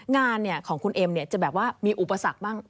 งานของคุณเอ็มจะมีอุปสรรคบ้าง